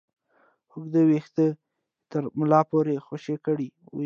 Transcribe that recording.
اوږده ويښته يې تر ملا پورې خوشې کړي وو.